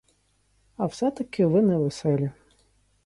А все-таки ви невеселі.